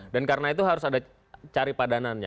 dan karena itu harus ada cari padanannya